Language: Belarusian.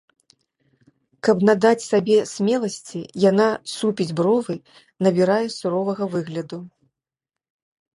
Каб надаць сабе смеласці, яна супіць бровы, набірае суровага выгляду.